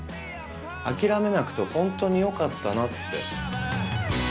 諦めなくてホントによかったなって。